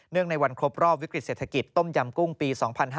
ในวันครบรอบวิกฤตเศรษฐกิจต้มยำกุ้งปี๒๕๕๙